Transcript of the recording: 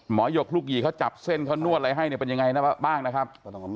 หยกลูกหยีเขาจับเส้นเขานวดอะไรให้เนี่ยเป็นยังไงบ้างนะครับ